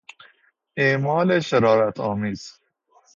اعمال شرارتآمیز